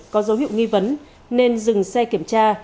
có dấu hiệu nghi vấn nên dừng xe kiểm tra